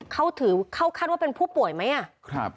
เขาถือเข้าคาดว่าเป็นผู้ป่วยไหมอ่ะครับ